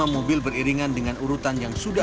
lima mobil beriringan dengan urutan yang sudah ada